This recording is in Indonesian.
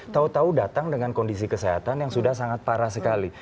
tahu tahu datang dengan kondisi kesehatan yang sudah sangat parah sekali